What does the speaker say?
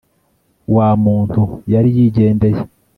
wa muntu yari yigendeye